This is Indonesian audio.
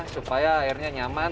supaya akhirnya nyaman